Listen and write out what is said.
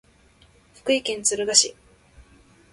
福井県敦賀市